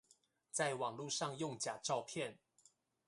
在網路上用假照片